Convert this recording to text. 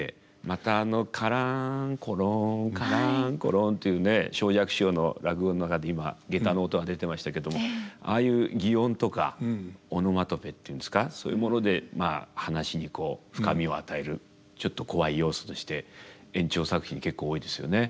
またあの「カランコロンカランコロン」というね正雀師匠の落語の中で今下駄の音が出てましたけどああいう擬音とかオノマトペっていうんですかそういうものでまあ噺にこう深みを与えるちょっとコワい要素として圓朝作品結構多いですよね。